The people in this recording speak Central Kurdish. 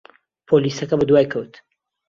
پۆلیسەکە بەدوای کەوت.